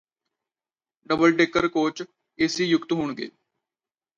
double decker coach AC ਯੁਕਤ ਹੋਣਗੇ